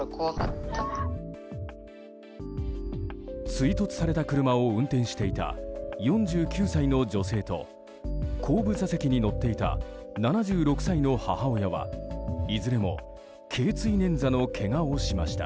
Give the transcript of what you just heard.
追突された車を運転していた４９歳の女性と後部座席に乗っていた７６歳の母親はいずれも頸椎捻挫のけがをしました。